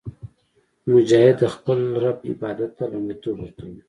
مجاهد د خپل رب عبادت ته لومړیتوب ورکوي.